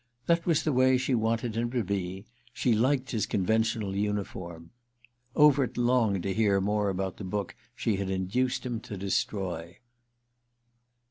That was the way she wanted him to be—she liked his conventional uniform. Overt longed to hear more about the book she had induced him to destroy.